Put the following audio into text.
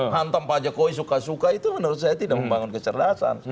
hantam pak jokowi suka suka itu menurut saya tidak membangun kecerdasan